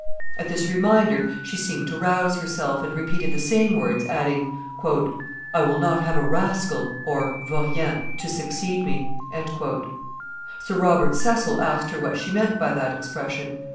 At this reminder she seemed to rouse herself, and repeated the same words, adding, "I will not have a rascal (vaurien) to succeed me." Sir Robert Cecil asked her what she meant by that expression.